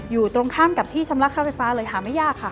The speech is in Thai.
อยู่ตรงข้ามกับที่ชำระค่าไฟฟ้าเลยหาไม่ยากค่ะ